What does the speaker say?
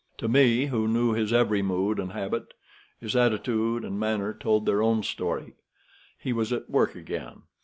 To me, who knew his every mood and habit, his attitude and manner told their own story. He was at work again.